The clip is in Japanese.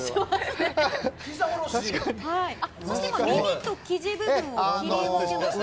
そして耳と生地部分を切り分けましたね。